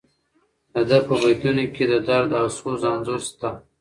د ده په بیتونو کې د درد او سوز انځور شته.